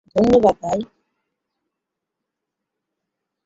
ধন্যবাদ, ভাই!